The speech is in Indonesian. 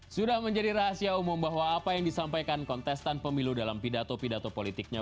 sudah menjadi rahasia umum bahwa apa yang disampaikan kontestan pemilu dalam pidato pidato politiknya